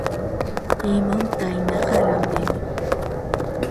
ემამ დაინახა რამდენი?